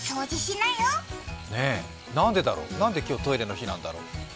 なんでだろう、今日なんでトイレの日なんだろう？